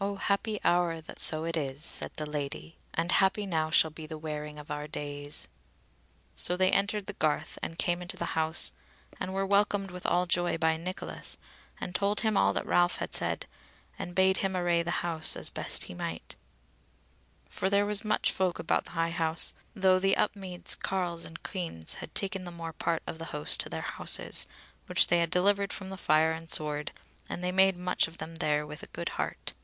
"O happy hour that so it is!" said the Lady, "and happy now shall be the wearing of our days." So they entered the garth and came into the house, and were welcomed with all joy by Nicholas, and told him all that Ralph had said, and bade him array the house as he best might; for there was much folk about the High House, though the Upmeads carles and queans had taken the more part of the host to their houses, which they had delivered from the fire and sword, and they made much of them there with a good heart.